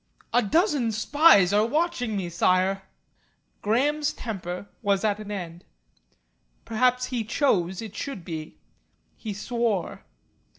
"A dozen spies are watching me, Sire!" Graham's temper was at end. Perhaps he chose it should be. He swore.